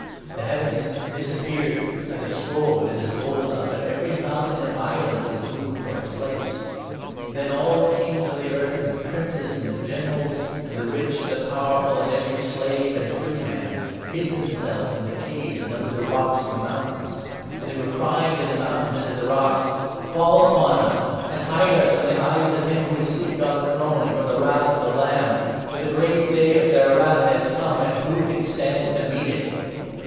The heavens 14 disappeared like a scroll when it is rolled up, and every moun tain and island was moved from its place. Then all the 15 kings of the earth, and the princes, and the generals, and the rich, and the powerful, and every slave and free man, ' hid themselves in the caves and under the rocks ' of the mountains ; and they are crying to the mountains and the rocks —' Fall 16 upon us, and hide us from the eyes of him who is seated on the throne, and from the Wrath of the Lamb, for the great 17 Day of their Wrath is come, and who can stand to meet it